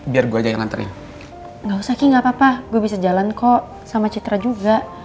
biar gue aja yang nganterin nggak usah ki nggak papa gue bisa jalan kok sama citra juga